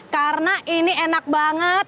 karena ini enak banget